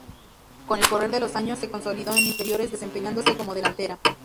Con el correr de los años, se consolidó en inferiores desempeñándose como delantera.